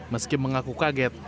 meski mengaku kaget